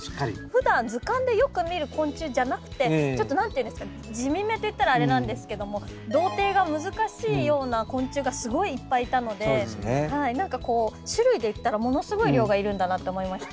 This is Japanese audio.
ふだん図鑑でよく見る昆虫じゃなくてちょっと何ていうんですかね地味めって言ったらあれなんですけども同定が難しいような昆虫がすごいいっぱいいたので種類でいったらものすごい量がいるんだなって思いました。